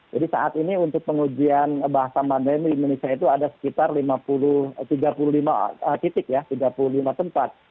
jadi saat ini untuk pengujian bahasa mandarin di indonesia itu ada sekitar tiga puluh lima titik ya tiga puluh lima tempat